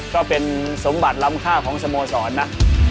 ก็เป็นสมบัติลำค่าของสโมสรนะ